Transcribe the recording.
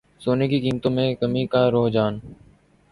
سونے کی قیمتوں میں کمی کا رجحان